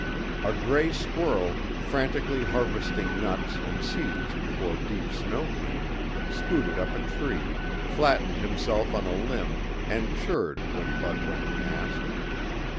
A gray squirrel, frantically harvesting nuts and seeds before deep snow came, scooted up a tree, flattened himself on a limb and chirred when Bud went past.